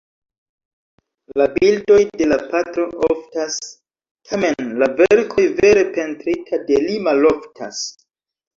La bildoj de la patro oftas, tamen la verkoj vere pentrita de li maloftas!